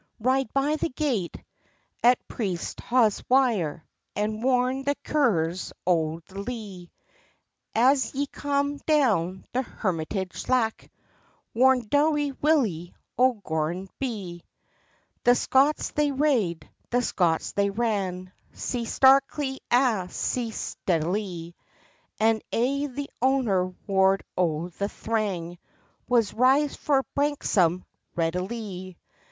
"Ride by the gate at Priesthaughswire, And warn the Currors o' the Lee; As ye come down the Hermitage Slack, Warn doughty Willie o' Gorrinbery." The Scots they rade, the Scots they ran, Sae starkly and sae steadilie! And aye the ower word o' the thrang, Was—"Rise for Branksome readilie!"